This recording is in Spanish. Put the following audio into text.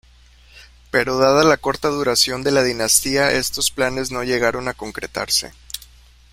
Pero dada la corta duración de la dinastía estos planes no llegaron a concretarse.